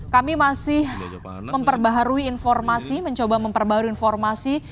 kami masih memperbaharui informasi mencoba memperbarui informasi